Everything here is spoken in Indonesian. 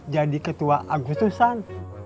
jadi ketua agustusan